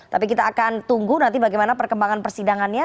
tapi kita akan tunggu nanti bagaimana perkembangan persidangannya